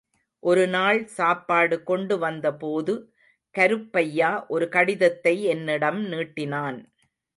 ஒருநாள் சாப்பாடு கொண்டு வந்தபோது கருப்பையா ஒரு கடிதத்தை என்னிடம் நீட்டினான்.